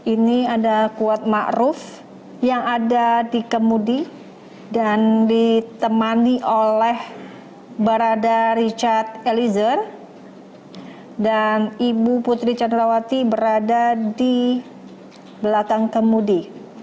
ini ada kuat ma'ruf yang ada di kemudi dan ditemani oleh baradari richard elizer dan ibu putri candrawati berada di belakang kemudi